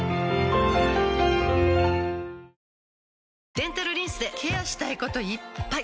デンタルリンスでケアしたいこといっぱい！